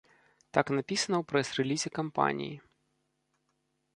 Так напісана ў прэс-рэлізе кампаніі.